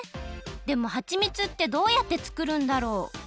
でもはちみつってどうやってつくるんだろう？